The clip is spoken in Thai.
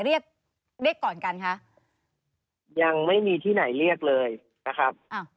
เรียกเรียกก่อนกันคะยังไม่มีที่ไหนเรียกเลยนะครับ